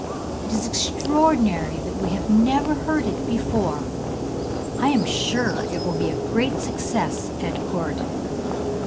It is extraordinary that we have never heard it before! I am sure it will be a great success at court!'